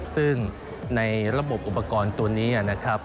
ซึ่งในระบบอุปกรณ์ตัวนี้นะครับ